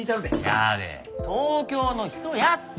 やで東京の人やって。